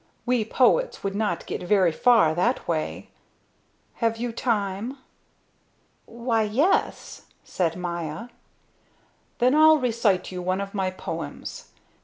We poets would not get very far that way. Have you time?" "Why, yes," said Maya. "Then I'll recite you one of my poems.